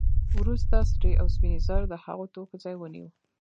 وروسته سرې او سپینې زر د هغو توکو ځای ونیو